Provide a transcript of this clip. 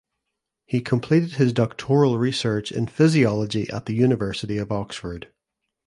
He completed his doctoral research in physiology at the University of Oxford.